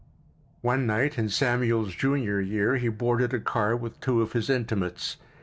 One night in Samuel's junior year he boarded a car with two of his intimates.